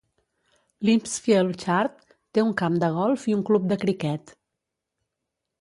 Limpsfield Chart té un camp de golf i un club de criquet.